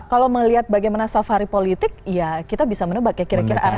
kalau melihat bagaimana safari politik ya kita bisa menubah kira kira arahannya kemana